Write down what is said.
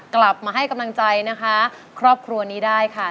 กลับมาให้กำลังใจนะคะครอบครัวนี้ได้ค่ะ